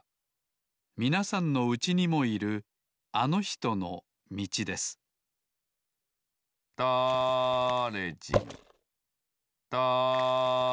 みなさんのうちにもいるあのひとのみちですだれじんだれじん